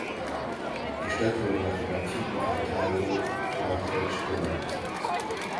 Die Stadt wurde nach dem antiken Karthago ("Carthage") benannt.